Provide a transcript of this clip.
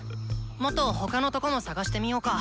もっと他のとこも探してみようか？